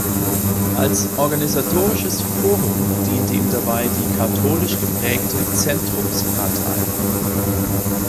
Als organisatorisches Forum diente ihm dabei die katholisch geprägte Zentrumspartei.